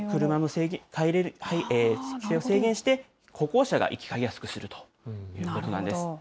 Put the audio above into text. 車が入る量を制限して、歩行者が行き交いやすくするということなんです。